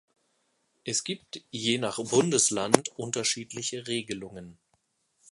Es gibt je nach Bundesland unterschiedliche Regelungen.